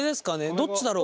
どっちだろう。